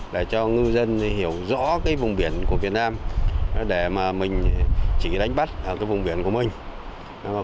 để cho ngư dân hiểu rõ vùng biển của việt nam để mình chỉ đánh bắt vùng biển của mình không xâm phạm vùng biển nước ngoài